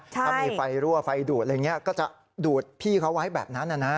ถ้ามีไฟรั่วไฟดูดอะไรอย่างนี้ก็จะดูดพี่เขาไว้แบบนั้นนะ